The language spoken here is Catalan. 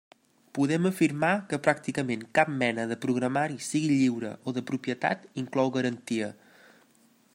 Podem afirmar que pràcticament cap mena de programari, sigui lliure o de propietat, inclou garantia.